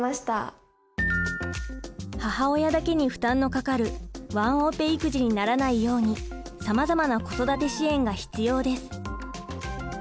母親だけに負担のかかるワンオペ育児にならないようにさまざまな子育て支援が必要です。